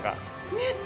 見えた！